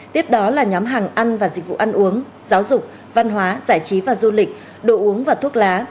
tiếp đó là nhóm hàng ăn và dịch vụ ăn uống giáo dục văn hóa giải trí và du lịch đồ uống và thuốc lá